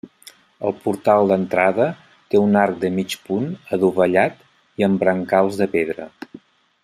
El portal d'entrada té un arc de mig punt adovellat i amb brancals de pedra.